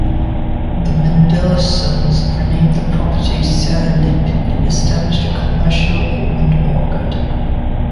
The Mendelsohns renamed the property 'Serendip' and established a commercial almond orchard.